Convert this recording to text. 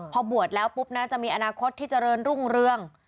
พอบวชแล้วปุ๊บนะจะมีอนาคตที่เจริญรุ่งเรือง